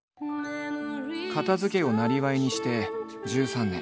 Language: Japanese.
片づけをなりわいにして１３年。